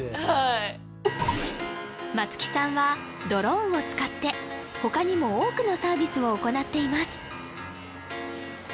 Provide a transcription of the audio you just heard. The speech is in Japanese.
はい松木さんはドローンを使って他にも多くのサービスを行っています